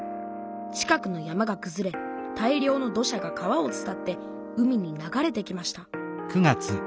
近くの山がくずれ大量の土砂が川を伝って海に流れてきました。